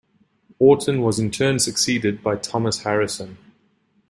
Wharton was in turn succeeded by Thomas Harrison.